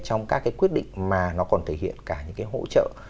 trong các cái quyết định mà nó còn thể hiện cả những cái hỗ trợ